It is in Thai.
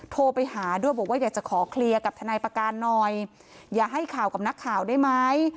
โทรไปหาด้วยบอกว่าอยากจะขอเคลียร์กับทนายประการหน่อยอย่าให้ข่าวกับนักข่าวได้ไหม